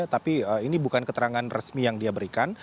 tapi ini bukan keterangan resmi yang dia berikan